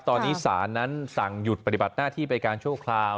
ตอนนี้ศาลนั้นสั่งหยุดปฏิบัติหน้าที่ไปการชั่วคราว